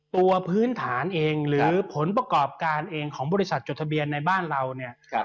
พื้นฐานเองหรือผลประกอบการเองของบริษัทจดทะเบียนในบ้านเราเนี่ย